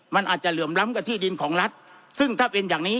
มันอาจจะเหลื่อมล้ำกับที่ดินของรัฐซึ่งถ้าเป็นอย่างนี้